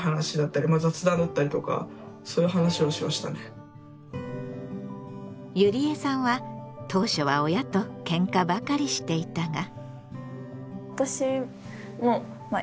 何かほんとにゆりえさんは当初は親とけんかばかりしていたが。